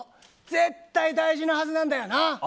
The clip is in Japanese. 絶対、大事なはずなんだよな。